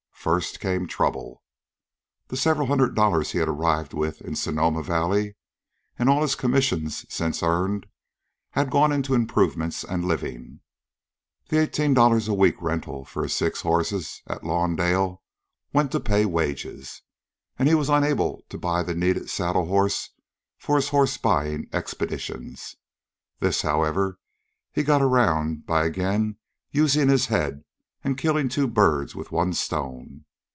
First, came trouble. The several hundred dollars he had arrived with in Sonoma Valley, and all his own commissions since earned, had gone into improvements and living. The eighteen dollars a week rental for his six horses at Lawndale went to pay wages. And he was unable to buy the needed saddle horse for his horse buying expeditions. This, however, he had got around by again using his head and killing two birds with one stone.